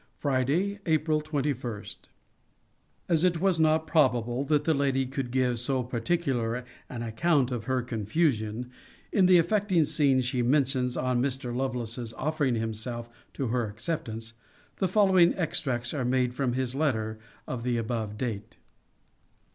FRIDAY, APRIL 21. [As it was not probable that the Lady could give so particular an account of her own confusion, in the affecting scene she mentions on Mr. Lovelace's offering himself to her acceptance, the following extracts are made from his letter of the above date.